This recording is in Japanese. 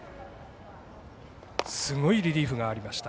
すごいリリーフがありました。